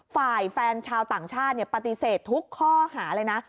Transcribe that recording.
ฝ่ายแฟนชาวต่างชาติปฏิเสธทุกข้อหาเลยนะ